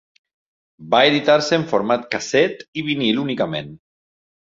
Va editar-se en format casset i vinil únicament.